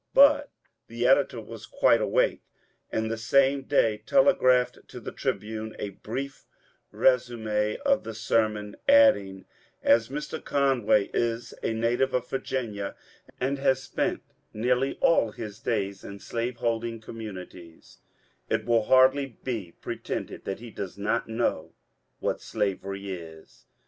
But the editor was quite awake, and the same day telegraphed to the ^^ Tribune " a brief r^sum^ of the sermon, adding :^^ As Mr. Conway is a native of Virginia, and has spent nearly all his days in slaveholding conmiunities, it will hardly be pre tended that he does not know what slavery is.